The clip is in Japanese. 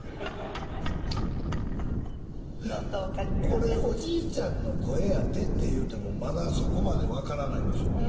これおじいちゃんの声やでって言うてもまだそこまでわからないんでしょうね。